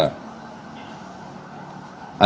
akan segera dipanggil sebagai tersangka